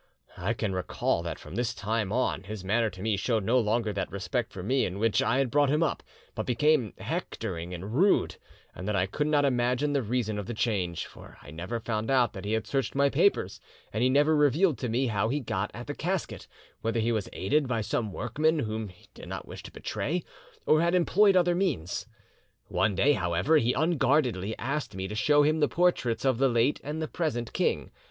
"'I can recall that from this time on, his manner to me showed no longer that respect for me in which I had brought him up, but became hectoring and rude, and that I could not imagine the reason of the change, for I never found out that he had searched my papers, and he never revealed to me how he got at the casket, whether he was aided by some workmen whom he did not wish to betray, or had employed other means. "'One day, however, he unguardedly asked me to show him the portraits of the late and the present king.